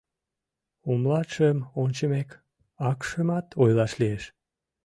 Умлатшым ончымек, акшымат ойлаш лиеш.